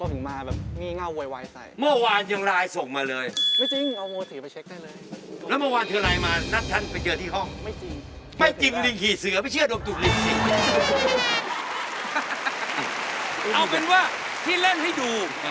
เอาเป็นว่าที่เล่นให้ดู